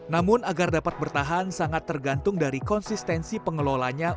namun agar dapat bertahan sangat tergantung dari konsistensi pengelolanya